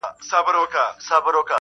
باروتي زلفو دې دومره راگير کړی_